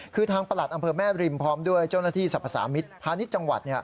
คือทางประหลัดอำเภอแม่ริมพร้อมด้วยเจ้าหน้าที่สรรพสามิตรพาณิชย์จังหวัด